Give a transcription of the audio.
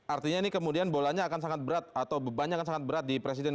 artinya ini kemudian bolanya akan sangat berat atau bebannya akan sangat berat di presiden